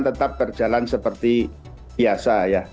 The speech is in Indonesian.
tetap berjalan seperti biasa ya